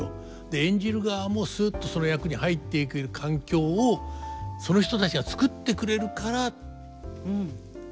演じる側もすっとその役に入っていける環境をその人たちが作ってくれるからできるんですよね。